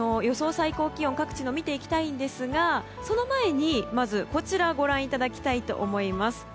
最高気温各地のを見ていきたいんですがその前に、こちらをご覧いただきたいと思います。